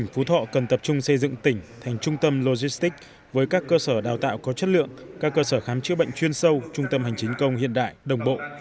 phú thọ cần tập trung xây dựng tỉnh thành trung tâm logistics với các cơ sở đào tạo có chất lượng các cơ sở khám chữa bệnh chuyên sâu trung tâm hành chính công hiện đại đồng bộ